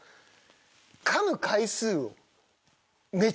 かむ回数。